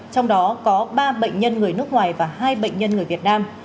trong đó có ba bệnh nhân người nước ngoài và hai bệnh nhân người việt nam